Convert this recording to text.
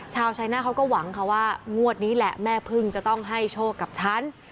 ชาวชัยหน้าเขาก็หวังค่ะว่างวดนี้แหละแม่พึ่งจะต้องให้โชคกับฉัน